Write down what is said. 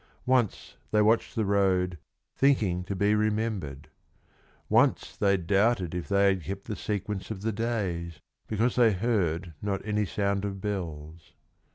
Once they watched the road, Thinking to be remembered. Once they doubted If they had kept the sequence of the days, Because they heard not any sound of bells.